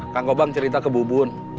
kang gopang cerita ke bu bun